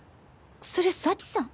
それ幸さん？